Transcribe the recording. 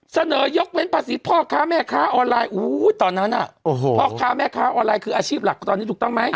เสนอยกเว้นภาษีพ่อค้าแม่ค้าออนไลน์ตอนนั้นพ่อค้าแม่ค้าออนไลน์คืออาชีพหลักตอนนี้ถูกต้องไหม